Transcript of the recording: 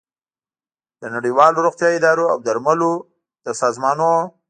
د نړیوالو روغتیايي ادارو او د درملو د سازمانونو